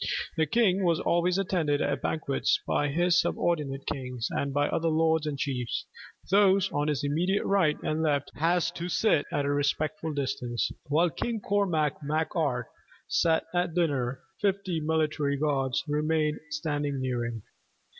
The king was always attended at banquets by his subordinate kings, and by other lords and chiefs. Those on his immediate right and left had to sit at a respectful distance. While King Cormac Mac Art sat at dinner, fifty military guards remained standing near him.